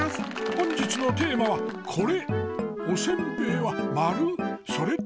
本日のテーマはこれ！